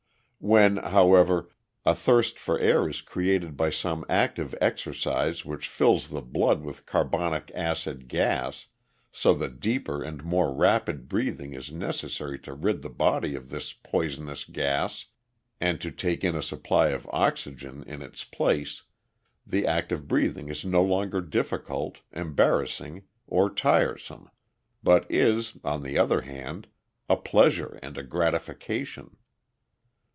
When, however, a thirst for air is created by some active exercise which fills the blood with carbonic acid gas, so that deeper and more rapid breathing is necessary to rid the body of this poisonous gas and to take in a supply of oxygen in its place, the act of breathing is no longer difficult, embarrassing, or tiresome, but is, on the other hand, a pleasure and a gratification.